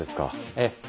ええ。